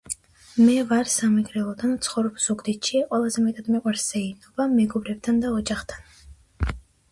მე ვარ სამეგრელოდან ვცხოვრობ ზუგდიდში ყველაზე მეტად მიყვარს სეირნობა მეგობრებთან და ოჯახთან.